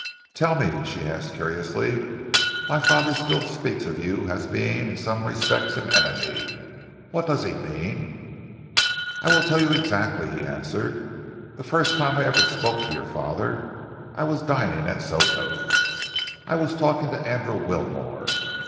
"Tell me," she asked curiously, "my father still speaks of you as being in some respects an enemy. What does he mean?" "I will tell you exactly," he answered. "The first time I ever spoke to your father I was dining at Soto's. I was talking to Andrew Wilmore.